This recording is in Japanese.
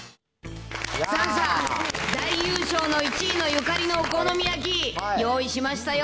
さあさあ、大優勝の１位のゆかりのお好み焼き、用意しましたよ。